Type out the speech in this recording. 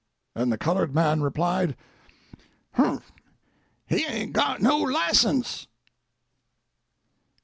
And the colored man replied "Humph, he ain't got no license."